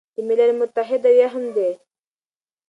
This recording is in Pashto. د ملل متحد او یا هم د